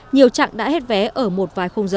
nhiều trạng đã hết vé ở một vài không dễ